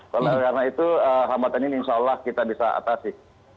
karena itu hambatan ini insya allah kita bisa atasi